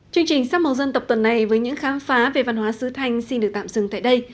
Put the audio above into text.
chương trình sắc màu dân tộc tuần này với những khám phá về văn hóa sứ thanh xin được tạm dừng tại đây